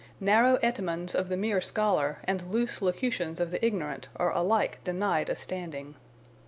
Narrow etymons of the mere scholar and loose locutions of the ignorant are alike denied a standing.